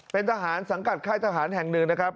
เป็นทหารสังกัดค่ายทหารแห่งหนึ่งนะครับ